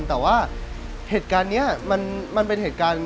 แต่ว่าเหตุการณ์นี้มันเป็นเหตุการณ์